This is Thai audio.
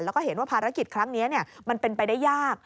แล้วก็เห็นว่าภารกิจครั้งนี้มันเป็นไปได้ยาก